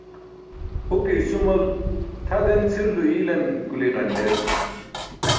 Huke i̇sumal tʰa den cʰilulo i̇ilan kuli̇ ġanḍer